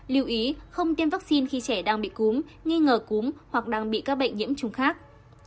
lưu ý không tiêm vaccine khi trẻ đang bị cúng nghi ngờ cúng hoặc đang bị các bệnh nhiễm chung khác